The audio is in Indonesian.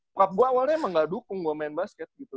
klub gue awalnya emang gak dukung gue main basket gitu